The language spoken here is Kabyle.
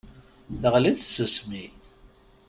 Tɣelli-d tsusmi.